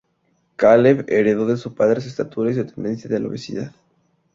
Caleb heredó de su padre su estatura y su tendencia a la obesidad.